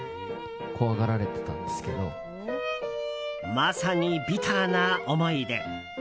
まさにビターな思い出。